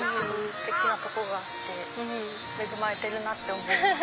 ステキなとこがあって恵まれてるなって思います。